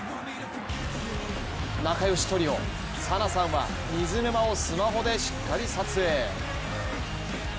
仲良しトリオ・早菜さんは水沼をスマホでしっかり撮影。